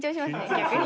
逆に。